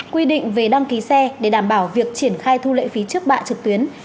quy định về đăng ký xe để đảm bảo việc triển khai thu lệ phí trước bạ trực tuyến